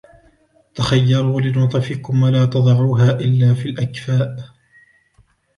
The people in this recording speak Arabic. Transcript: تَخَيَّرُوا لَنُطَفِكُمْ وَلَا تَضَعُوهَا إلَّا فِي الْأَكْفَاءِ